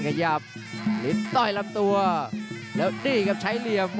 ฤทธิ์ต้อยลำตัวและดีกับใช้เหลียม